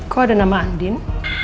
kok ada nama andin